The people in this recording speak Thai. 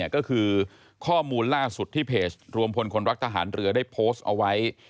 ก็คือข้อมูลล่าสุดที่เพจรวมพลคนรักทหารเรือได้โพสต์เอาไว้